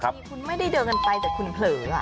มีคุณไม่ได้เดินกันไปแต่คุณเผลอ